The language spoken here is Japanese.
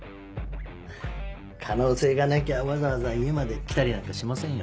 可能性がなきゃわざわざ家まで来たりなんかしませんよ。